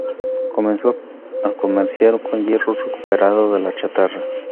Comenzó a comerciar con hierro recuperado de la chatarra.